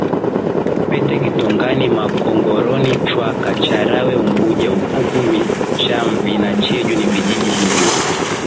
Pete kitongani makongoroni chwaka charawe unguja ukuku michamvi na cheju ni vijiji hivyo